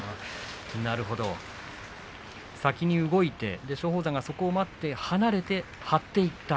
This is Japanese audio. なるほど先に動いて松鳳山はそこを待って離れて張っていった。